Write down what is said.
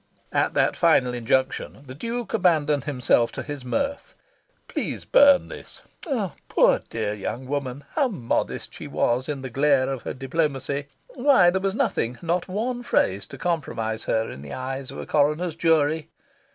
At that final injunction, the Duke abandoned himself to his mirth. "Please burn this." Poor dear young woman, how modest she was in the glare of her diplomacy! Why there was nothing, not one phrase, to compromise her in the eyes of a coroner's jury!...